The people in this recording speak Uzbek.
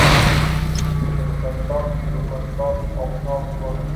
Salqintob-salqintob oqshom qo‘ndi.